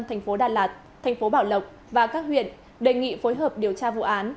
tp đà lạt tp bảo lộc và các huyện đề nghị phối hợp điều tra vụ án